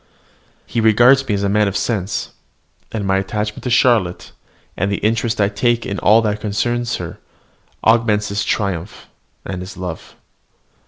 He regards me as a man of sense; and my attachment to Charlotte, and the interest I take in all that concerns her, augment his triumph and his love.